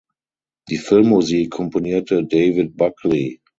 Die Filmmusik komponierte David Buckley.